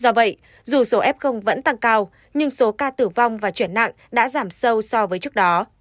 do vậy dù số f vẫn tăng cao nhưng số ca tử vong và chuyển nặng đã giảm sâu so với trước đó